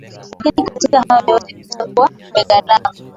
Lakini katika hayo yote, nitakuwa bega lako.